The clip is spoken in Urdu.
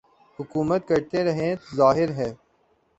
حکومت کرتے رہے ظاہر ہے